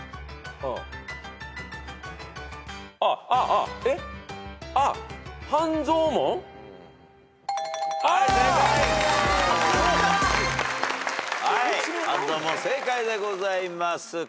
はい半蔵門正解でございます。